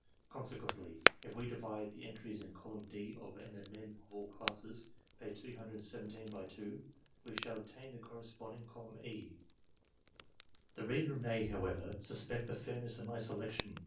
^ Conse quently, if we divide the entries in column D, of " eminent men of all classes," p. 308, by 2, we shall obtain the corresponding column E. The reader may, however, suspect the fairness of my selection.